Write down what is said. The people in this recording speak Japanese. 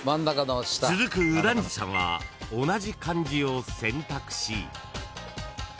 ［続く右團次さんは同じ漢字を選択し］